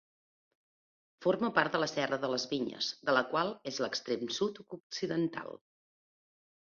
Forma part de la serra de les Vinyes, de la qual és l'extrem sud-occidental.